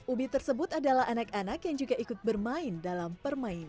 ubi tersebut adalah anak anak yang juga ikut bermain dalam permainan